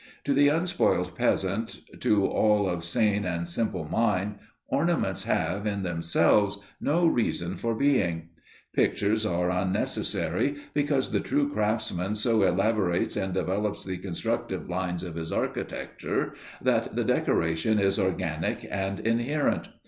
To the unspoiled peasant, to all of sane and simple mind, ornaments have, in themselves, no reason for being. Pictures are unnecessary, because the true craftsman so elaborates and develops the constructive lines of his architecture that the decoration is organic and inherent.